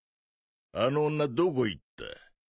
あの女どこ行った？